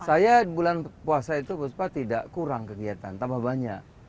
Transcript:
saya di bulan puasa itu puspa tidak kurang kegiatan tambah banyak